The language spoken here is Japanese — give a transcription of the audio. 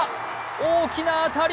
大きな当たり！